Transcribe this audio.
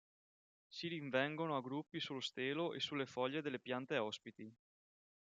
Si rinvengono a gruppi sullo stelo e sulle foglie delle piante ospiti.